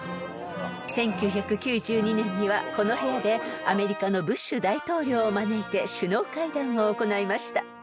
［１９９２年にはこの部屋でアメリカのブッシュ大統領を招いて首脳会談を行いました］